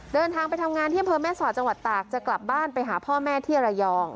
เดินทางไปทำงานที่อำเภอแม่สอดจังหวัดตากจะกลับบ้านไปหาพ่อแม่ที่ระยอง